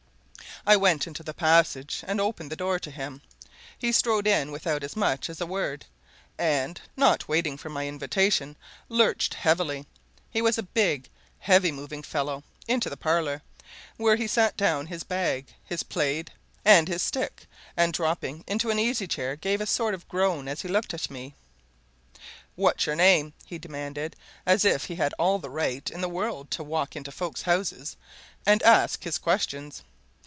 I went into the passage and opened the door to him. He strode in without as much as a word, and, not waiting for my invitation, lurched heavily he was a big, heavy moving fellow into the parlour, where he set down his bag, his plaid, and his stick, and dropping into an easy chair, gave a sort of groan as he looked at me. "And what's your name?" he demanded, as if he had all the right in the world to walk into folks' houses and ask his questions.